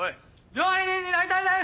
料理人になりたいです！